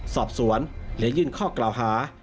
สอบสวนและยื่นข้อกล่าวหา